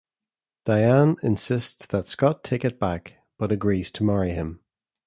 Dianne insists that Scott take it back, but agrees to marry him.